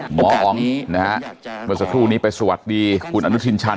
หมออ๋องนะฮะเมื่อสักครู่นี้ไปสวัสดีคุณอนุทินชัน